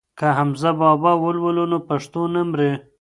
که حمزه بابا ولولو نو پښتو نه مري.